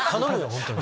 本当に。